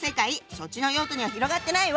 そっちの用途には広がってないわ！